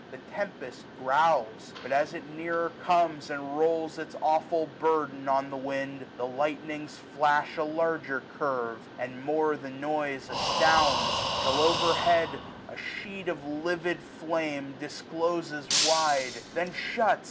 The tempest growls ; but as it nearer comes And rolls its aweful burden on the wind, ^^35 The lightnings flash a larger curve, and more The noise astounds : till over head a sheet Of livid flame discloses wide ; then shuts.